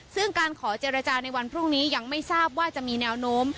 ซึ่งการขอเจรจาในวันพรุ่งนี้ยังไม่ทราบว่าจะมีแนวโน้ม